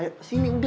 ayo kesini udah